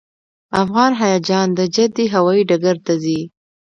افغان حاجیان د جدې هوایي ډګر ته ځي.